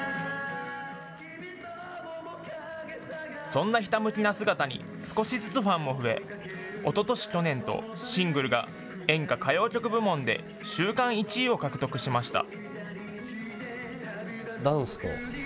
そんなひたむきな姿に少しずつファンも増えおととし、去年とシングルが演歌・歌謡曲部門で週間１位を獲得しました。